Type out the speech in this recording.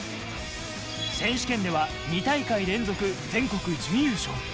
選手権では２大会連続全国準優勝。